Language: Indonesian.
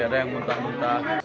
ada yang muntah muntah